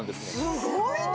すごいね！